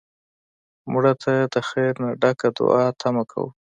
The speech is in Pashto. مړه ته د خیر نه ډکه دنیا تمه کوو